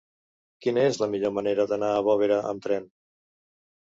Quina és la millor manera d'anar a Bovera amb tren?